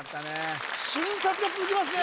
瞬殺が続きますね